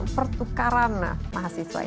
pertukaran mahasiswa ini